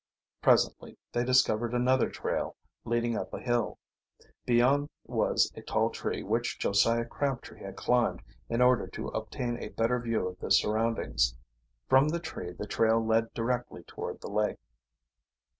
Presently they discovered another trail, leading up a hill. Beyond was a tall tree which Josiah Crabtree had climbed in order to obtain a better view of the surroundings. From the tree the trail led directly toward the lake.